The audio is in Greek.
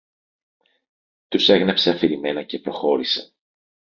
Τους έγνεψε αφηρημένα και προχώρησε